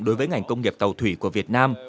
đối với ngành công nghiệp tàu thủy của việt nam